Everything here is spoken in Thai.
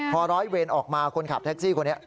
พอร้อยเวรออกมาคนขับแท็กซี่คนนี้